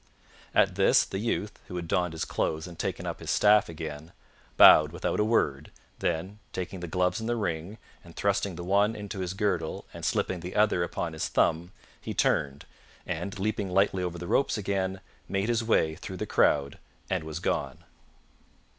At this, the youth, who had donned his clothes and taken up his staff again, bowed without a word, then, taking the gloves and the ring, and thrusting the one into his girdle and slipping the other upon his thumb, he turned and, leaping lightly over the ropes again, made his way through the crowd, and was gone.